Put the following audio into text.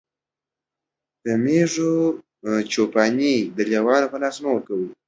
د مېږو چو پاني د شرمښ په لاس مه ورکوه.